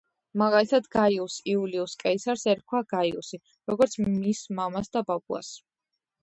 მაგალითად გაიუს იულიუს კეისარს ერქვა გაიუსი, როგორც მის მამას და ბაბუას.